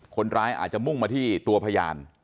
คนร้ายอาจจะมุ่งมาที่ตัวพยาน